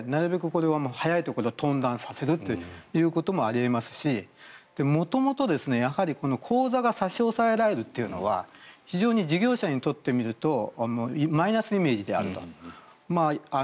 これは早いところトーンダウンさせるということもありますし元々、口座が差し押さえられるというのは非常に事業者にとってみるとマイナスイメージであると。